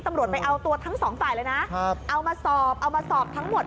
ตำรวจไปเอาตัวทั้ง๒ฝ่ายเลยนะเอามาสอบทั้งหมด